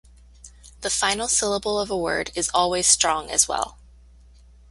The final syllable of a word is always strong as well.